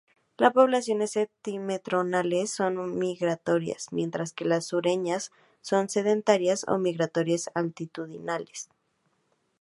Las poblaciones septentrionales son migratorias, mientras que las sureñas son sedentarias o migratorias altitudinales.